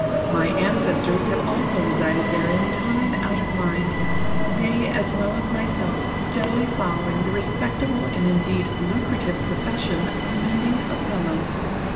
My ancestors have also resided therein time out of mind—they, as well as myself, steadily following the respectable and indeed lucrative profession of mending of bellows.